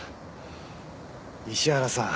石原さん